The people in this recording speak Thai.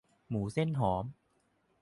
หมูเส้นหอม